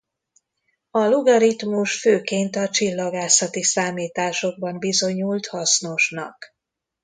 A logaritmus főként a csillagászati számításokban bizonyult hasznosnak.